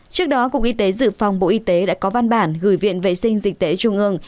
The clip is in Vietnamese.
trước đó cục y tế dự phòng bộ y tế đã có văn bản gửi viện vệ sinh dịch tễ trung ương